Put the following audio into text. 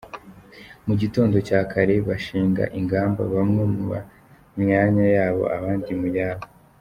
Mu gitondo cya kare bashinga ingamba; bamwe mu myanya yabo, abandi mu yabo.